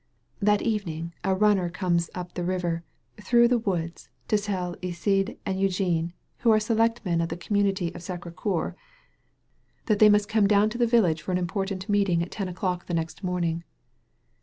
That very evening a runner comes up the river, through the woods, to tell Iside and Eugdne, who are Selectmen of the community of SacrS Cceur^ that 171 THE VALLEY OF VISION they must come down to the village for an important meeting at ten o'clock the next morning.